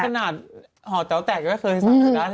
ขนาดห่อเจาะแตะก็เคยสั่งถึงนะ